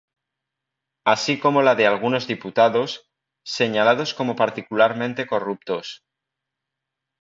Así como la de algunos diputados, señalados como particularmente corruptos.